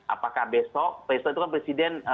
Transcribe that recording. apakah besok besok itu kan presiden